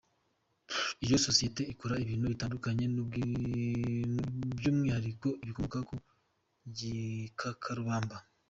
Iyo sosiyete ikora ibintu bitandukanye by’umwihariko ibikomoka mu Gikakarubamba.